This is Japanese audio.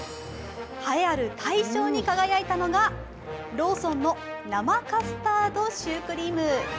栄えある大賞に輝いたのがローソンの生カスタードシュークリーム。